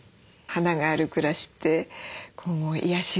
花がある暮らしって癒やしを感じる。